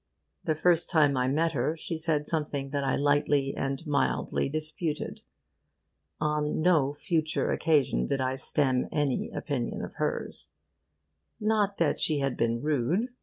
The first time I met her, she said something that I lightly and mildly disputed. On no future occasion did I stem any opinion of hers. Not that she had been rude.